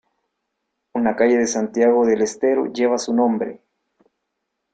Una calle de Santiago del Estero lleva su nombre.